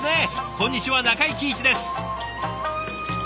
こんにちは中井貴一です。